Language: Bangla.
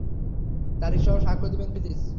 তারিখসহ স্বাক্ষর দিবেন, প্লিজ।